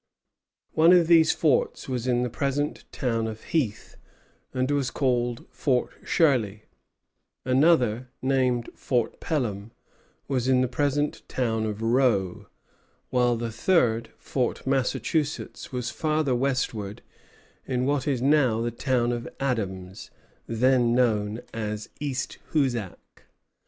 One of these forts was in the present town of Heath, and was called Fort Shirley; another, named Fort Pelham, was in the present town of Rowe; while the third, Fort Massachusetts, was farther westward, in what is now the town of Adams, then known as East Hoosac.